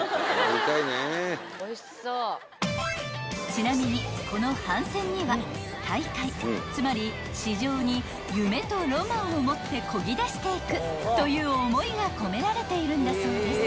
［ちなみにこの帆船には大海つまり市場に夢とロマンを持ってこぎ出していくという思いが込められているんだそうです］